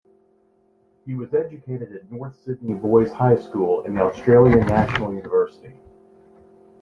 He was educated at North Sydney Boys High School and the Australian National University.